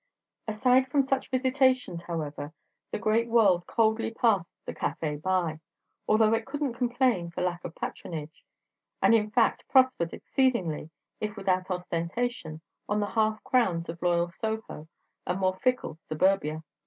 Aside from such visitations, however, the great world coldly passed the café by; although it couldn't complain for lack of patronage, and in fact prospered exceedingly if without ostentation on the half crowns of loyal Soho and more fickle suburbia.